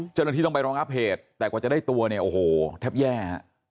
เจ้าหน้าที่ต้องไปรองอัพเหตุแต่กว่าจะได้ตัวเนี่ยโอ้โหแทบแย่ฮะ